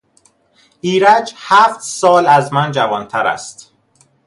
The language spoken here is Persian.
ایرج هفت سال از من جوانتر است.